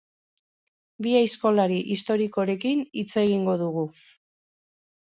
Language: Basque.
Bi aizkolari historikorekin hitz egingo dugu.